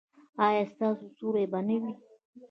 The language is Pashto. ایا ستاسو سیوری به نه وي؟